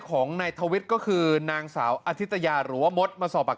ของนายทวิทย์ก็คือนางสาวอธิตยาหรือว่ามดมาสอบปากคำ